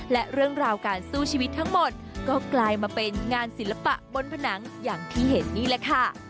และเรื่องราวการสู้ชีวิตทั้งหมดก็กลายมาเป็นงานศิลปะบนผนังอย่างที่เห็นนี่แหละค่ะ